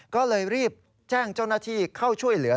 ก็เลยรีบแจ้งเจ้าหน้าที่เข้าช่วยเหลือ